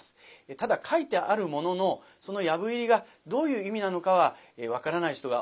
ただ書いてあるもののその藪入りがどういう意味なのかは分からない人が多くなってきました。